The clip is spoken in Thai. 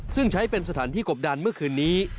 ซึ่งใช้เป็นสถานที่กบดันเมื่อคืนนี้